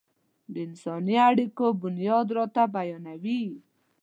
د انساني اړيکو بنياد راته بيانوي.